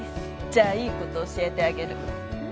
じゃあいいこと教えてあげる。